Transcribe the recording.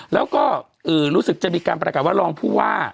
แล้วก็รู้สึกจะมีการประกาศว่ารองผู้ว่า